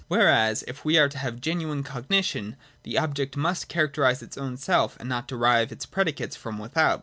Whereas, if we are to have genuine cognition, the object must characterise its own self and not derive its predicates from without.